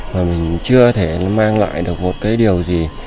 mà mình chưa thể mang lại được một điều gì